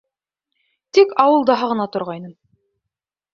Тик ауылды һағына торғайным.